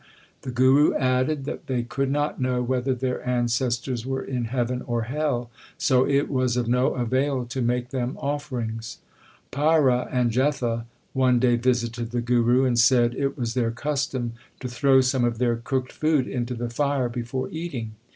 The Guru added that they could not know whether their ancestors were in heaven or hell, so it was of no avail to make them offerings. Paira and Jetha one day visited the Guru, and said it was their custom to throw some of their cooked food into the fire before eating.